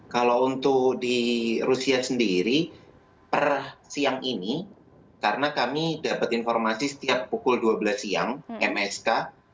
kalau untuk di rusia sendiri per siang ini karena kami dapat informasi setiap pukul dua belas siang msk